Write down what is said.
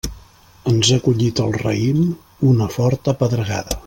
Ens ha collit el raïm una forta pedregada.